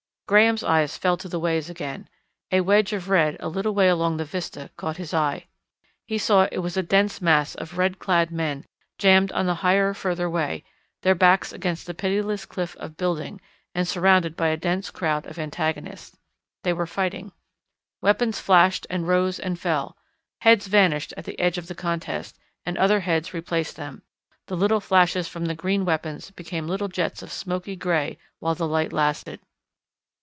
Graham's eyes fell to the ways again. A wedge of red a little way along the vista caught his eye. He saw it was a dense mass of red clad men jammed on the higher further way, their backs against the pitiless cliff of building, and surrounded by a dense crowd of antagonists. They were fighting. Weapons flashed and rose and fell, heads vanished at the edge of the contest, and other heads replaced them, the little flashes from the green weapons became little jets of smoky grey while the light lasted.